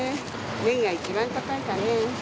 ネギが一番高いかね。